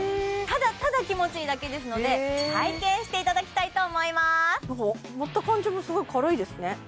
ただただ気持ちいいだけですので体験していただきたいと思いますなんか持った感じもすごい軽いですね